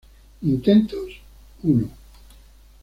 Intentos: uno.